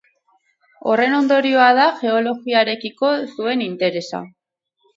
Horren ondorioa da geologiarekiko zuen interesa.